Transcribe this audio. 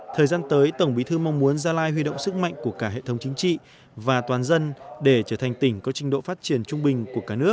thời gian tới tổng bí thư mong muốn gia lai huy động sức mạnh của cả hệ thống chính trị và toàn dân để trở thành tỉnh có trình độ phát triển trung bình của cả nước